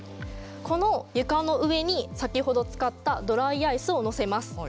この床の上に先ほど使ったドライアイスを乗せます。